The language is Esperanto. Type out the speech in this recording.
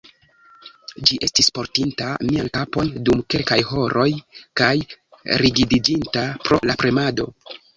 Ĝi estis portinta mian kapon dum kelkaj horoj, kaj rigidiĝinta pro la premado.